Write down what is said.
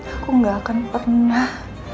aku gak akan pernah